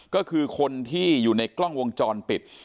ก็คือคนที่อยู่ในกล้องวงจรปิด